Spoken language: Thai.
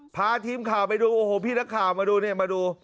พาทีมข่าวไปดูโอ้โหพี่นักข่าวมาดู